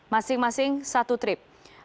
masing masing satu trip